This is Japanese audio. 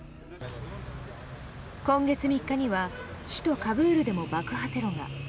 今月３日には首都カブールでも爆破テロが。